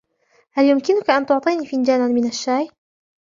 هل يمكنك أن تعطيني فنجانا من الشاي ؟